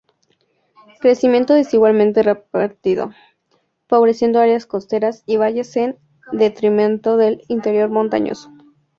Crecimiento desigualmente repartido, favoreciendo áreas costeras y valles en detrimento del interior montañoso.